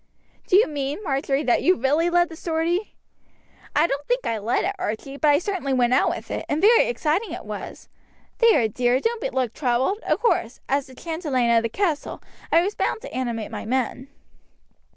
"Do you mean, Marjory, that you really led the sortie?" "I don't think I led it, Archie; but I certainly went out with it, and very exciting it was. There, dear, don't look troubled. Of course, as chatelaine of the castle, I was bound to animate my men."